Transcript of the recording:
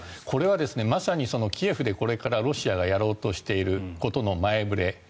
これはまさにキエフでこれからロシアがやろうとしていることの前触れ